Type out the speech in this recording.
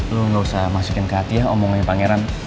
lo gak usah masukin ke hati ya omongin pangeran